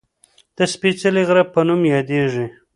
د "سپېڅلي غره" په نوم یادېږي